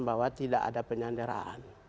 bahwa tidak ada penyandaran